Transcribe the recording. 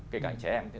kể cả anh trẻ em